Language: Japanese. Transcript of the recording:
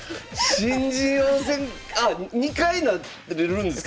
新人王戦あ２回なれるんですか？